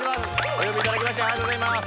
お呼びいただきましてありがとうございます